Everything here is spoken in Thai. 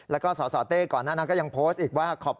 แล้วก็สสเต้ก่อนหน้านั้นก็ยังโพสต์อีกว่าขอบคุณ